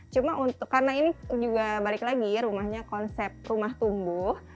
cuma karena ini juga balik lagi rumahnya konsep rumah tumbuh